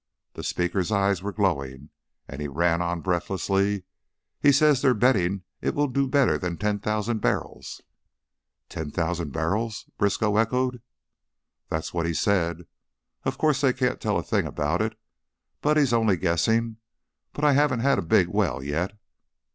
The speaker's eyes were glowing, and he ran on, breathlessly, "He says they're betting it will do better than ten thousand barrels!" "Ten thousand bar'ls!" Briskow echoed. "That's what he said. Of course, they can't tell a thing about it. Buddy's only guessing, but I haven't had a big well yet."